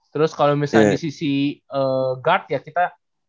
terus kalau misalnya di sisi guard ya kita